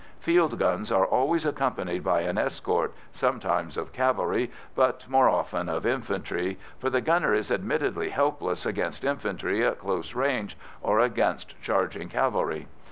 Field guns are always accompanied by an escort, sometimes of cavalry, but more often of infantry, for the gunner is admittedly helpless against infantry at close range or against charging cavalry.